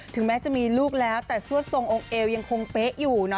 แม้จะมีลูกแล้วแต่ซวดทรงองค์เอวยังคงเป๊ะอยู่นะ